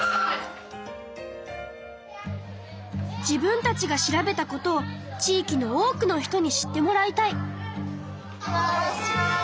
自分たちが調べたことを地いきの多くの人に知ってもらいたい。